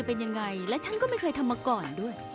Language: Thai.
เป็นยังไงและฉันก็ไม่เคยทำมาก่อนด้วย